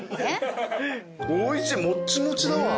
おいしいもちもちだわ。